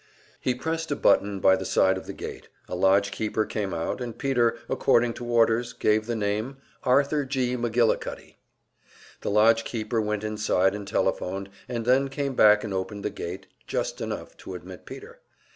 He pressed a button by the side of the gate, and a lodgekeeper came out, and Peter, according to orders, gave the name "Arthur G. McGillicuddy." The lodge keeper went inside and telephoned, and then came back and opened the gate, just enough to admit Peter.